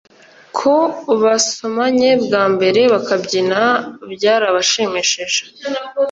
ko basomanye bwa mbere bakabyina byarabashimishije